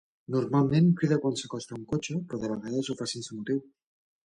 Normalment crida quan s’acosta un cotxe, però de vegades ho fa sense motiu.